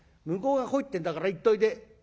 向こうが来いってんだから行っといで」。